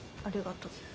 ありがとう。